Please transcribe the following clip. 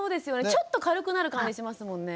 ちょっと軽くなる感じしますもんね。